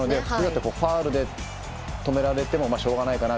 ファウルで止められてもしようがないかな。